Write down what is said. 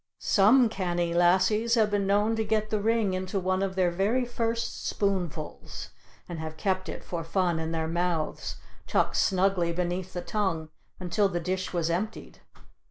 Some canny lassies have been known to get the ring into one of their very first spoonfuls, and have kept it for fun in their mouths, tucked snugly beneath the tongue, until the dish was emptied.